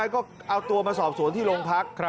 ใช่ไหมก็เอาตัวมาสอบสวนที่โรงพักครับ